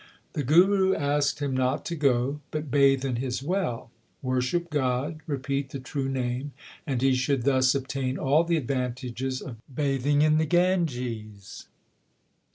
The Guru asked him not to go, but bathe in his well, worship God, repeat the true Name, and he should thus obtain all the advantages of bathing in the Ganges.